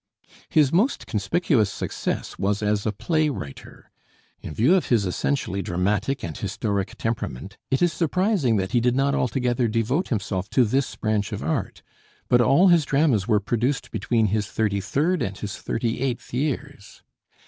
His most conspicuous success was as a play writer. In view of his essentially dramatic and historic temperament, it is surprising that he did not altogether devote himself to this branch of art; but all his dramas were produced between his thirty third and his thirty eighth years.